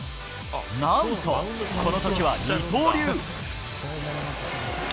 なんとこのときは二刀流。